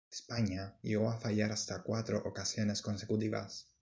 España llegó a fallar hasta cuatro ocasiones consecutivas.